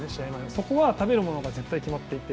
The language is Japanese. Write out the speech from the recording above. そこは食べるものが絶対決まっていて。